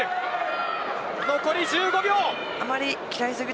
残り１５秒。